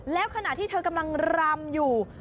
แล้วขณะที่เธอกำลังรำอยู่